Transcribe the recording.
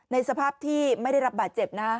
สภาพที่ไม่ได้รับบาดเจ็บนะ